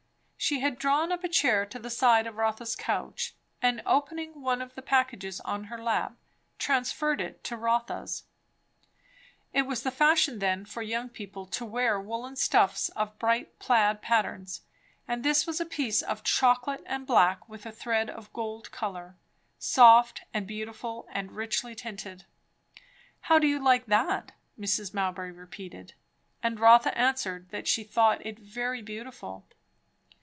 She had drawn up a chair to the side of Rotha's couch, and opening one of the packages on her lap, transferred it to Rotha's. It was the fashion then for young people to wear woollen stuffs of bright plaid patterns; and this was a piece of chocolate and black with a thread of gold colour; soft and beautiful and rich tinted. "How do you like that?" Mrs. Mowbray repeated; and Rotha answered that she thought it very beautiful.